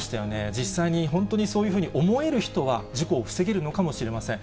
実際に本当にそういうふうに思える人は事故を防げるのかもしれません。